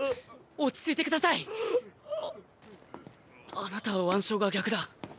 あなたは腕章が逆だ。